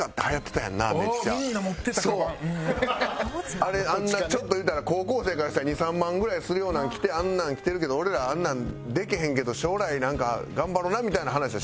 あれあんなちょっと言うたら高校生からしたら２万３万ぐらいするようなの着てあんなん着てるけど俺らあんなんできへんけど将来頑張ろうなみたいな話はしてたような気がする。